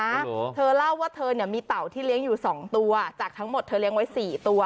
โอ้โหเธอเล่าว่าเธอเนี่ยมีเต่าที่เลี้ยงอยู่สองตัวจากทั้งหมดเธอเลี้ยงไว้สี่ตัว